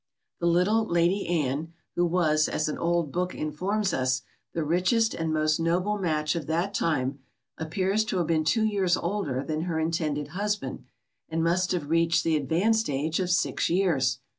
The little Lady Anne, who was, as an old book informs us, the richest and most noble match of that time, appears to have been two years older than her intended husband, and must have reached the advanced age of six years!